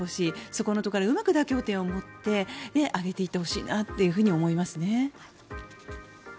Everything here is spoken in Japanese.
そこのところはうまく妥協点を持って上げていってほしいなと思いますね。